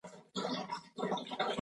دا کلمه ډيره عامه ده